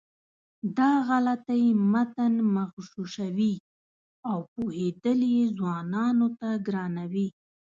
دا غلطۍ متن مغشوشوي او پوهېدل یې ځوانانو ته ګرانوي.